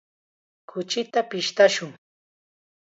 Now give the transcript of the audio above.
Kuchita pishtashun.